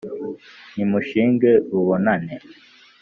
nimushinge rubonane